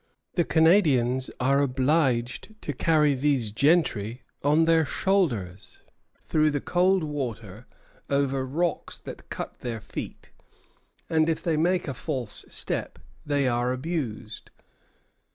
The Canadians are obliged to carry these gentry on their shoulders, through the cold water, over rocks that cut their feet; and if they make a false step they are abused.